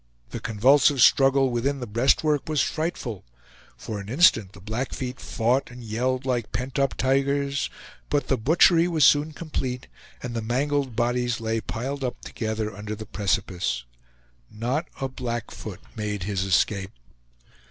The convulsive struggle within the breastwork was frightful; for an instant the Blackfeet fought and yelled like pent up tigers; but the butchery was soon complete, and the mangled bodies lay piled up together under the precipice. Not a Blackfoot made his escape.